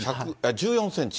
１４センチ。